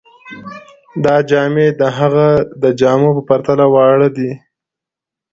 دا جامې د هغه د جامو په پرتله واړه دي.